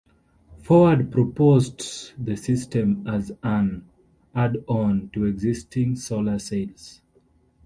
Forward proposed the system as an "add on" to existing solar sails.